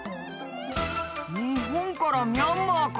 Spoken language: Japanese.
日本からミャンマーか。